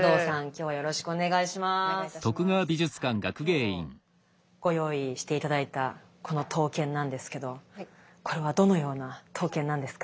今日ご用意して頂いたこの刀剣なんですけどこれはどのような刀剣なんですか？